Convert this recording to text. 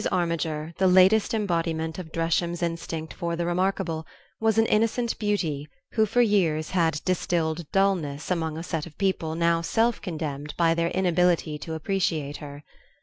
Armiger, the latest embodiment of Dresham's instinct for the remarkable, was an innocent beauty who for years had distilled dulness among a set of people now self condemned by their inability to appreciate her.